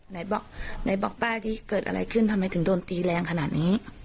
ไหนบอกไหนบอกป้าที่เกิดอะไรขึ้นทำไมถึงโดนตีแรงขนาดนี้